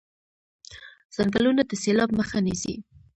ځنګلونه د سیلاب مخه نیسي.